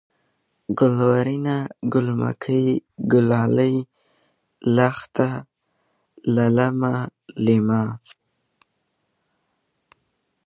گلورينه ، گل مکۍ ، گلالۍ ، لښته ، للمه ، لېمه